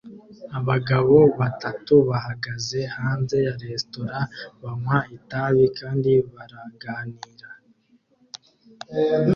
Abagabo batatu bahagaze hanze ya resitora banywa itabi kandi baraganira